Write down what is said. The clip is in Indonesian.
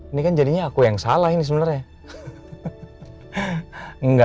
ini kan jadinya aku yang salah ini sebenarnya